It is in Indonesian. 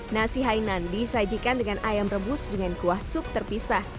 nasi hainan disajikan dengan ayam rebus dengan kuah sup terpisah